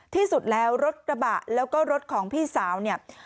ที่สุดแล้วรถกระบะแล้วก็รถของพี่สาวเนี่ย